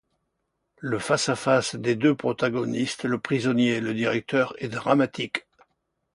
Le face à face des deux protagonistes, le prisonnier et le directeur, est dramatique.